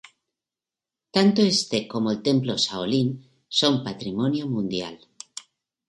Tanto este como el templo Shaolin son Patrimonio Mundial.